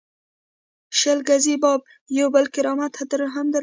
شل ګزی بابا یو بل کرامت هم درلود.